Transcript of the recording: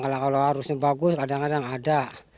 kalau arusnya bagus kadang kadang ada